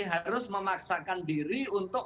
harus memaksakan diri untuk